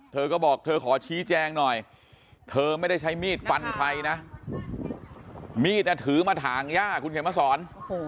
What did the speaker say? เธอก็บอกเธอขอชี้แจงหน่อยเธอไม่ได้ใช้มีดฟันใครนะมีดถือมาถางย่าคุณเขียนมาสอน